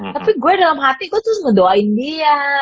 tapi gue dalam hati gue terus ngedoain dia